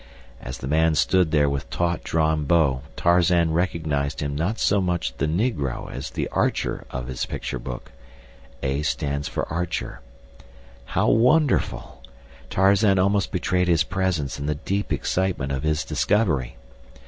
As the man stood there with taut drawn bow Tarzan recognized him not so much the negro as the Archer of his picture book— A stands for Archer How wonderful! Tarzan almost betrayed his presence in the deep excitement of his discovery.